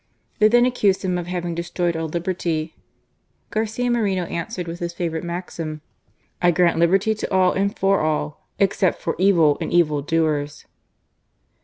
Then they accused him of having d^troyed all liberty. Garcia Moreno answered wit4 his favourite maxim: "I grant liberty to all and for all, except for evil and evil doers."